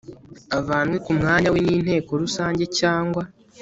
avanwe ku mwanya we n inteko rusange cyangwa